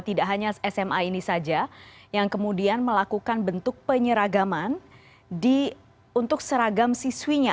tidak hanya sma ini saja yang kemudian melakukan bentuk penyeragaman untuk seragam siswinya